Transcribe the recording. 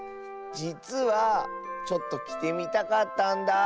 じつはちょっときてみたかったんだ。